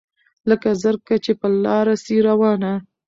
لکه زرکه چي پر لاره سي روانه